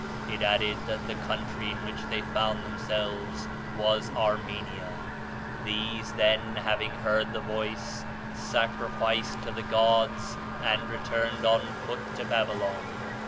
It added that the country in which they found themselves was Armenia. These, then, having heard the voice, sacrificed to the gods and returned on foot to Babylon.